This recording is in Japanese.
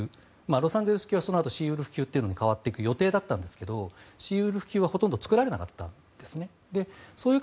ロサンゼルス級はそのあとシーウルフ級というのに代わっていく予定だったんですがそれはほとんど作られなかったんです。